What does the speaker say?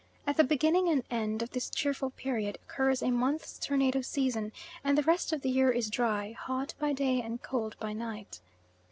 At the beginning and end of this cheerful period occurs a month's tornado season, and the rest of the year is dry, hot by day and cold by night.